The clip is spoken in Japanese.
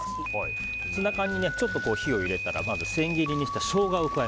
ツナ缶にちょっと火を入れたら千切りにしたショウガをえ！